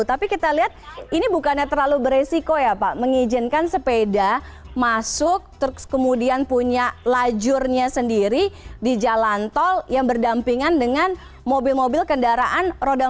tapi kita lihat ini bukannya terlalu beresiko ya pak mengizinkan sepeda masuk terus kemudian punya lajurnya sendiri di jalan tol yang berdampingan dengan mobil mobil kendaraan roda empat